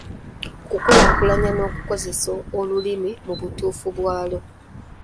Okukulakulanya n’okukozesa olulimi mu butuufu bwalwo.